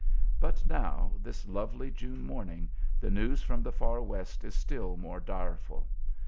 But now, this lovely June morning the news from the far West is still more direful.